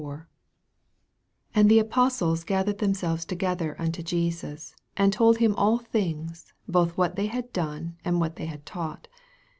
80 And the f postles gathered them selves togetLer unto Jesus, and told him all things, both what they had done, anc what they had taught.